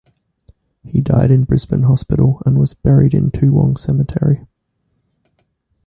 He died in Brisbane Hospital and was buried in Toowong Cemetery.